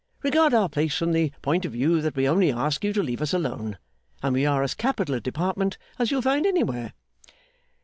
Regard our place from the point of view that we only ask you to leave us alone, and we are as capital a Department as you'll find anywhere.